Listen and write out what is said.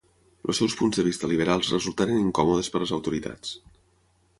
Els seus punts de vista liberals resultaren incòmodes per les autoritats.